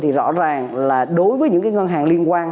thì rõ ràng là đối với những cái ngân hàng liên quan